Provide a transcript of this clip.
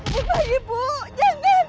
bu pergi bu jangan